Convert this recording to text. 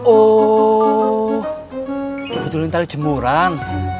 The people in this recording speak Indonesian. oh bunuhin tali jemuran